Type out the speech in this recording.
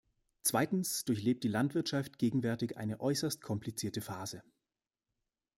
Zweitens durchlebt die Landwirtschaft gegenwärtig eine äußerst komplizierte Phase.